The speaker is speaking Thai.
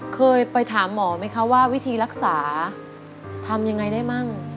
เคยไปถามหมอไหมคะว่าวิธีรักษาทำยังไงได้มั่ง